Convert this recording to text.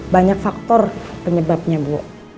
banyak faktor penyebabnya bu